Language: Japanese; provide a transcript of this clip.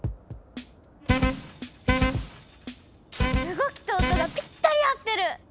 動きと音がぴったり合ってる！